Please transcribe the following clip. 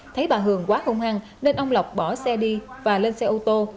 thấy bà hường quá hung hăng nên ông lộc bỏ xe đi và lên xe ô tô